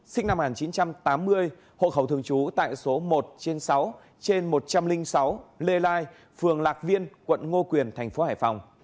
sinh năm một nghìn chín trăm tám mươi hộ khẩu thường trú tại số một trên sáu trên một trăm linh sáu lê lai phường lạc viên quận ngô quyền tp hải phòng